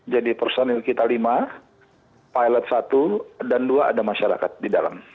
jadi personil kita lima pilot satu dan dua ada masyarakat di dalam